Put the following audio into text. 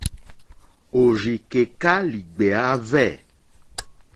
Òrzìkèká lìɡbèáhwɛ̂.